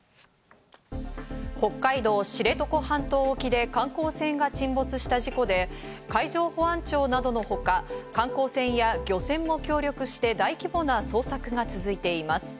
北海道知床半島沖で観光船が沈没した事故で、海上保安庁などのほか観光船や漁船も協力して大規模な捜索が続いています。